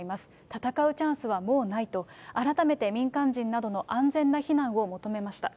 戦うチャンスはもうないと、改めて、民間人などの安全な避難を求めました。